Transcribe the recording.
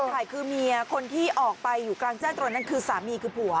ถ่ายคือเมียคนที่ออกไปอยู่กลางแจ้งตรงนั้นคือสามีคือผัว